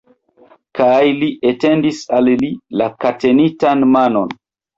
Kaj li etendis al li la katenitan manon.